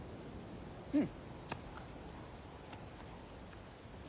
うん。